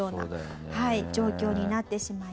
状況になってしまいました。